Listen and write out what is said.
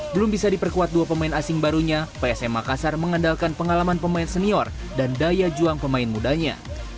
belum bisa diperkuat dua pemain asing barunya psm makassar mengandalkan pengalaman pemain senior dan daya juang pemain mudanya